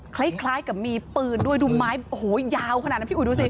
คล้ายกับมีปืนด้วยดูไม้โอ้โหยาวขนาดนั้นพี่อุ๋ยดูสิ